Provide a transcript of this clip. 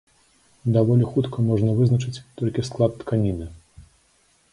Даволі хутка можна вызначыць толькі склад тканіны.